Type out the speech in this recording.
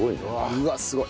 うわっすごい。